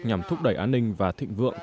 nhằm thúc đẩy an ninh và thịnh vượng